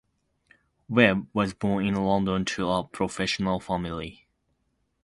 Webb was born in London to a professional family.